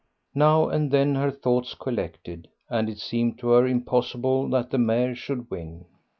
Now and then her thoughts collected, and it seemed to her impossible that the mare should win.